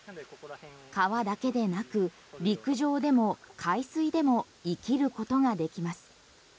川だけでなく陸上でも海水でも生きることができます。